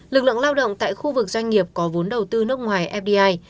lực lượng lao động tại khu vực doanh nghiệp có vốn đầu tư nước ngoài fdi